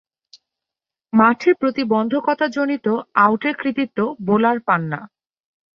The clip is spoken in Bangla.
মাঠে প্রতিবন্ধকতা জনিত আউটের কৃতিত্ব বোলার পান না।